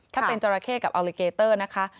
ถ้าเป็นจราเข้กับอัลลิเกเตอร์นะคะ